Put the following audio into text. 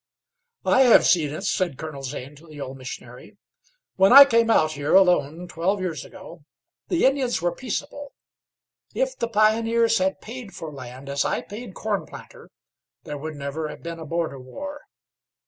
"I have seen it," said Colonel Zane, to the old missionary. "When I came out here alone twelve years ago the Indians were peaceable. If the pioneers had paid for land, as I paid Cornplanter, there would never have been a border war.